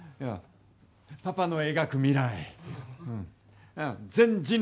パパの描く未来おお？